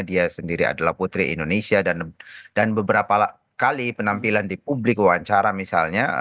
dia sendiri adalah putri indonesia dan beberapa kali penampilan di publik wawancara misalnya